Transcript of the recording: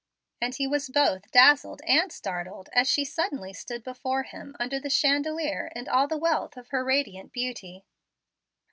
And he was both dazzled and startled as she suddenly stood before him under the chandelier in all the wealth of her radiant beauty.